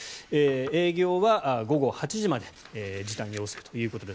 営業は午後８時まで時短要請ということです。